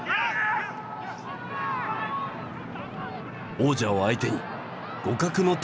王者を相手に互角の戦い。